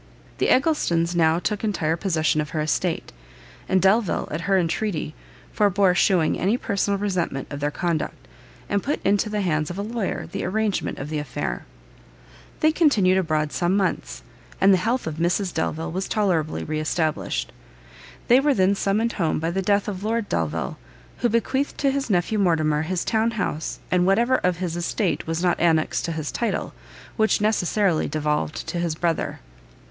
The Egglestons now took entire possession of her estate, and Delvile, at her entreaty, forbore shewing any personal resentment of their conduct, and put into the hands of a lawyer the arrangement of the affair. They continued abroad some months, and the health of Mrs Delvile was tolerably re established. They were then summoned home by the death of Lord Delvile, who bequeathed to his nephew Mortimer his town house, and whatever of his estate was not annexed to his title, which necessarily devolved to his brother.